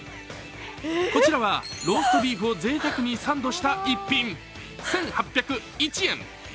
こちらはローストビーフをぜいたくにサンドした逸品、１８０１円。